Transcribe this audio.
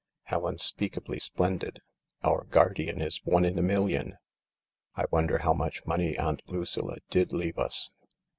How unspeakably splendid ! Our guardian is one in a million ! I wonder how much money Aunt Lucilla did leave us